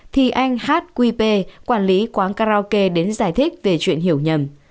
thì anh hát quy pê quản lý quán karaoke đến giải thích về chuyện hiểu nhầm